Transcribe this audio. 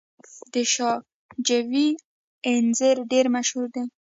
د شاه جوی انځر ډیر مشهور دي.